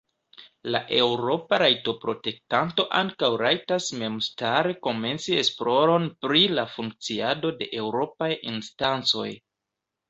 La Eŭropa Rajtoprotektanto ankaŭ rajtas memstare komenci esploron pri la funkciado de Eŭropaj instancoj.